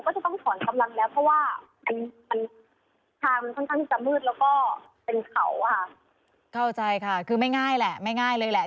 เพราะว่าทางมันค่อนข้างจะมืดแล้วก็เป็นเขาค่ะเข้าใจค่ะคือไม่ง่ายแหละไม่ง่ายเลยแหละ